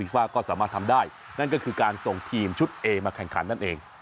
ฟ้าก็สามารถทำได้นั่นก็คือการส่งทีมชุดเอมาแข่งขันนั่นเอง